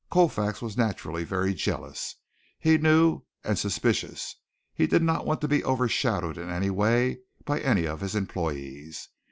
Colfax was naturally very jealous, he knew, and suspicious. He did not want to be overshadowed in any way by any of his employees.